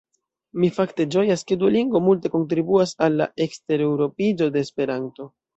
Mi fakte ĝojas, ke Duolingo multe kontribuas al la ekstereŭropiĝo de Esperanto.